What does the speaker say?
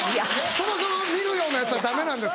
そもそも見るようなヤツはダメなんですけどね。